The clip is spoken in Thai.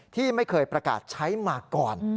ที่ไม่เคยประกาศใช้มาก่อน